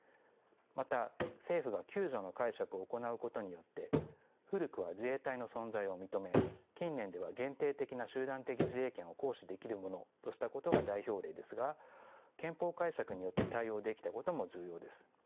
また政府が九条の解釈を行うことによって古くは自衛隊の存在を認め近年では限定的な集団的自衛権を行使できるものとしたことが代表例ですが憲法解釈によって対応できたことも重要です。